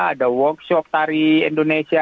ada workshop tari indonesia